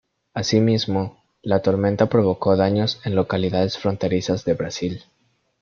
Así mismo la tormenta provocó daños en localidades fronterizas de Brasil.